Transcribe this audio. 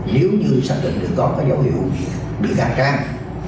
nếu như xác định được có cái dấu hiệu bị can trang